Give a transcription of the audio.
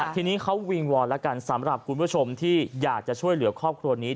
ทีนี้เขาวิงวอนแล้วกันสำหรับคุณผู้ชมที่อยากจะช่วยเหลือครอบครัวนี้